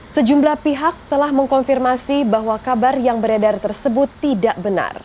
sejumlah pihak telah mengkonfirmasi bahwa kabar yang beredar tersebut tidak benar